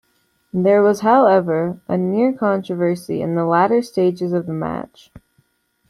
There was, however, a near controversy in the latter stages of the match.